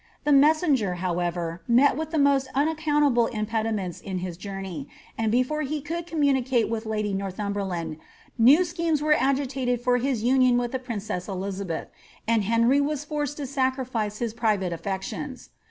* The messenger, however, met with the most unac conntable impediments in his journey, and before he could communicate with lady Northumberland new schemes were agitated for his union viih the princess Elizabeth, and Henry was forced to sacrifice his private ifiections.